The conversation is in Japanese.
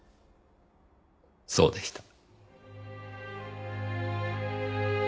そうでした。